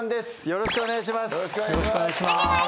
よろしくお願いします。